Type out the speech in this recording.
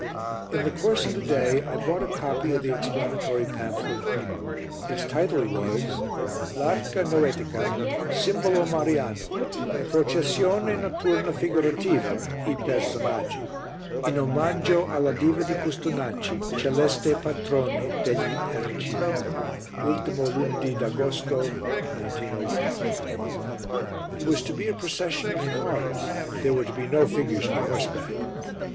In the course of the day I bought a copy of the explanatory pamphlet. Its title was L'Arca Noetica. Simbolo Mariano. Processione notturna figurativa (I Personaggi) in omaggio alla Diva di Custonaci Celeste Patrone degli Erecini. Ultimo Lunedi d'Agosto, 1901. It was to be a procession of cars, there were to be no figures on horseback.